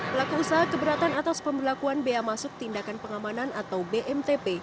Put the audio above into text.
pelaku usaha keberatan atas pembelakuan bea masuk tindakan pengamanan atau bmtp